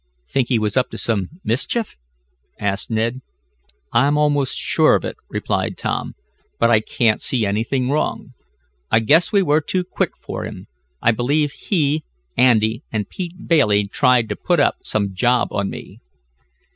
"Think he was up to some mischief?" asked Ned. "I'm almost sure of it," replied Tom, "but I can't see anything wrong. I guess we were too quick for him. I believe he, Andy and Pete Bailey tried to put up some job on me."